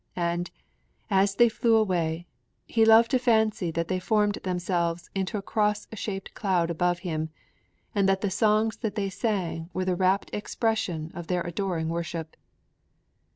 And, as they flew away, he loved to fancy that they formed themselves into a cross shaped cloud above him, and that the songs that they sang were the rapt expression of their adoring worship.